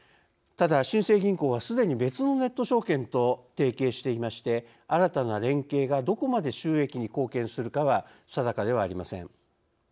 ただ新生銀行はすでに別のネット証券と提携していまして新たな連携がどこまで収益に貢献するかは定かではありません。